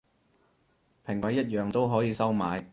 評委一樣都可以收買